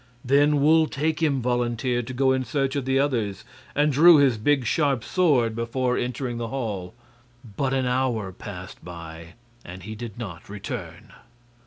Then Wul Takim volunteered to go in search of the others, and drew his big, sharp sword before entering the hall. But an hour passed by and he did not return.